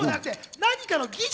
何かの技術。